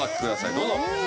どうぞ。